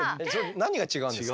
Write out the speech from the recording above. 何が違うんですか？